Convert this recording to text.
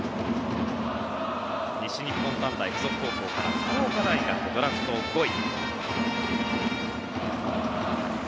西日本短大付属高校から福岡大学ドラフト５位。